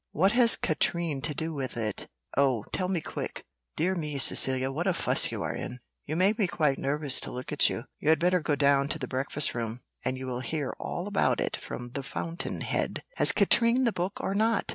"What has Katrine to do with it? Oh, tell me, quick!" "Dear me, Cecilia, what a fuss you are in! you make me quite nervous to look at you. You had better go down to the breakfast room, and you will hear all about it from the fountain head." "Has Katrine the book or not?"